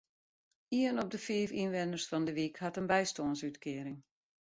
Ien op de fiif ynwenners fan de wyk hat in bystânsútkearing.